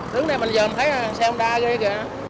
đứng đây mình giờ mình thấy xe không